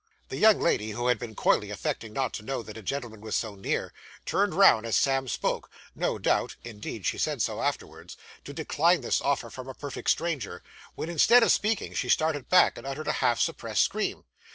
The young lady, who had been coyly affecting not to know that a gentleman was so near, turned round as Sam spoke no doubt (indeed she said so, afterwards) to decline this offer from a perfect stranger when instead of speaking, she started back, and uttered a half suppressed scream.